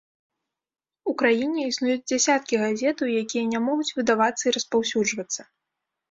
У краіне існуюць дзесяткі газетаў, якія не могуць выдавацца і распаўсюджвацца.